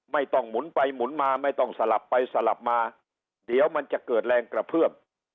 หมุนไปหมุนมาไม่ต้องสลับไปสลับมาเดี๋ยวมันจะเกิดแรงกระเพื่อม